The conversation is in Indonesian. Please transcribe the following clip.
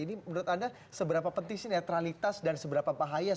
ini menurut anda seberapa penting sih netralitas dan kepentingan